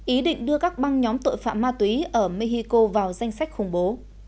ý định đưa các băng nhóm tội phạm ma túy ở mexico vào danh sách khủng bố